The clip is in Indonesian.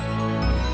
aku akan menangkap